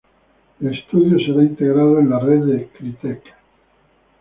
El estudio será integrado en la red de Crytek.